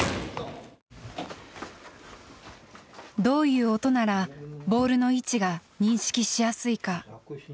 どういう音ならボールの位置が認識しやすいか。